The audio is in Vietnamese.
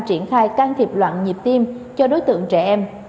triển khai can thiệp loạn nhịp tim cho đối tượng trẻ em